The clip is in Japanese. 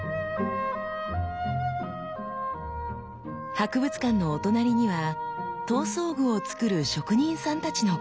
博物館のお隣には刀装具を作る職人さんたちの工房が。